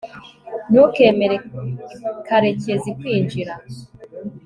ntukemere karekezi kwinjira